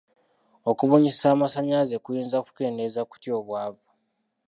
Okubunyisa amasannyalaze kuyinza kukendeeza kutya obwavu?